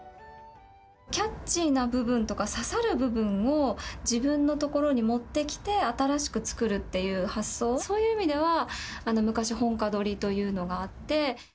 キャッチーな部分とか、刺さる部分を自分のところに持ってきて、新しく作るっていう発想、そういう意味では、昔、本歌取りというのがあって。